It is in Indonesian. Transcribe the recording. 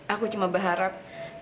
aku cuma berharap